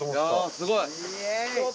すごい。